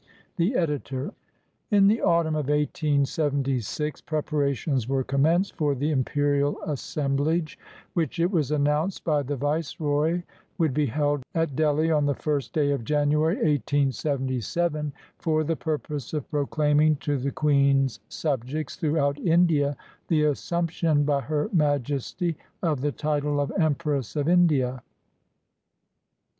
The Editor.] In the autumn of 1876 preparations were commenced for the ''Imperial Assemblage," which it was announced by the Viceroy would be held at Delhi on the first day of January, 1877, for the purpose of proclaiming to the Queen's subjects throughout India the assumption by Her Majesty of the title of "Empress of India."